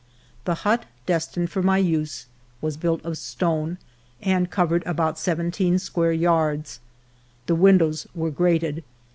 The hut destined for my use was built of stone and covered about seventeen square yards. The windows were grated.